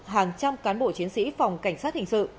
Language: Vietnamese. hàng trăm cán bộ chiến sĩ phòng cảnh sát hình sự